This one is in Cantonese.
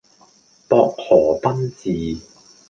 薄荷賓治